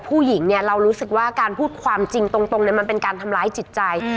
ผู้หญิงเนี่ยเรารู้สึกว่าการพูดความจริงตรงมันเป็นการทำร้ายจิตใจ